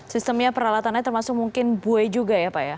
sistemnya peralatannya termasuk mungkin buaya juga ya pak ya